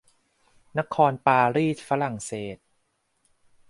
นครปารีสฝรั่งเศส